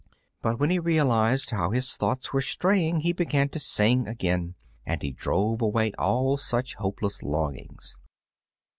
But when he realized how his thoughts were straying he began to sing again, and he drove away all such hopeless longings.